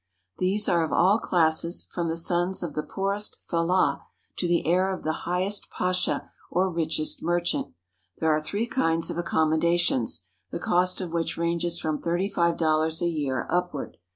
These are of all classes from the sons of the poorest fellah to the heir of the highest pasha or richest merchant. There are three kinds of accommodations, the cost of which ranges from thirty five dollars a year upward.